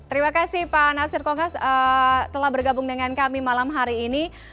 terima kasih pak nasir kongas telah bergabung dengan kami malam hari ini